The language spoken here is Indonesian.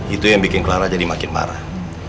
itu yang bikin clara jadi makin marah